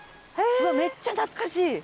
めっちゃ懐かしい。